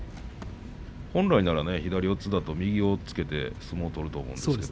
本来なら左四つだと右押っつけて相撲を取ると思うんですけれど。